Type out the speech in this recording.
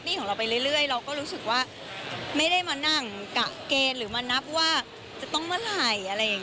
เพราะเราร่อยไปเรื่อยรู้สึกว่าไม่ได้มานั่งกะเกลฑ์หรือมานับว่าจะต้องมาไหล